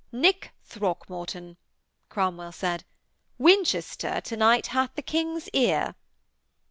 'Nick Throckmorton,' Cromwell said, 'Winchester hath to night the King's ear....'